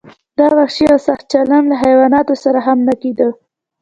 دا وحشي او سخت چلند له حیواناتو سره هم نه کیده.